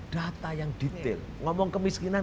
data yang detail ngomong kemiskinan